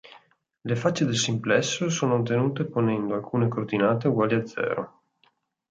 Le facce del simplesso sono ottenute ponendo alcune coordinate uguali a zero.